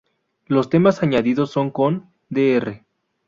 Los temas añadidos son con Dr.